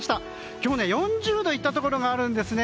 今日、４０度いったところがあるんですね。